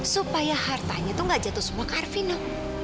supaya hartanya tuh nggak jatuh semua ke arvino